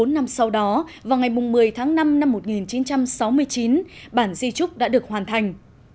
bốn năm sau đó vào ngày một mươi tháng năm năm một nghìn chín trăm sáu mươi chín bản di trúc đã được hoàn thành